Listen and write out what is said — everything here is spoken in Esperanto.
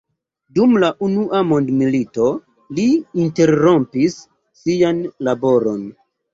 Dum la unua mondmilito li interrompis sian laboron.